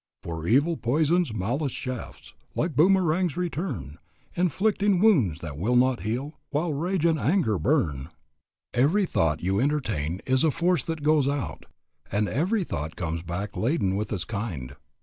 "For evil poisons; malice shafts Like boomerangs return, Inflicting wounds that will not heal While rage and anger burn." Every thought you entertain is a force that goes out, and every thought comes back laden with its kind.